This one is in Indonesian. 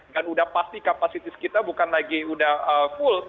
dan sudah pasti kapasitis kita bukan lagi sudah full